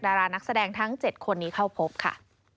ดารานักแสดงทั้ง๗คนนี้เข้าพบค่ะ